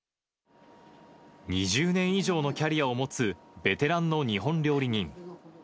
２０年以上のキャリアを持つベテランの日本料理人。